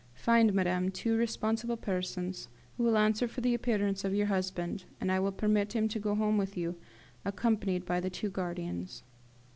Find, madame, two responsible persons, who will answer for the appearance of your husband, and I will permit him to go home with you, accompanied by the two guardians."